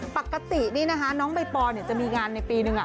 ปกตินี่นะคะน้องใบปอนจะมีงานในปีนึง